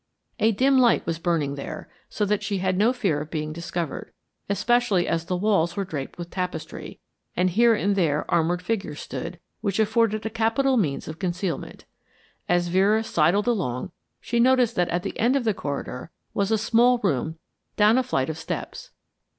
A dim light was burning there, so that she had no fear of being discovered, especially as the walls were draped with tapestry, and here and there armored figures stood, which afforded a capital means of concealment. As Vera sidled along she noticed that at the end of the corridor was a small room down a flight of steps.